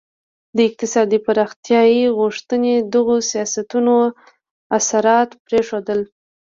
د اقتصادي پراختیايي غوښتنې دغو سیاستونو اثرات پرېښودل.